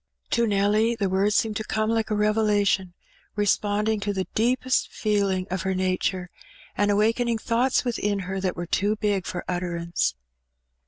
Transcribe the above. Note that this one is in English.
To Nelly the words seemed to come like a revelation^ responding to the deepest feeling of her nature, and awakening thoughts within her that were too big for utterance.